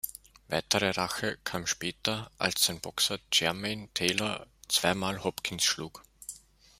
Weitere Rache kam später als sein Boxer Jermain Taylor zwei Mal Hopkins schlug.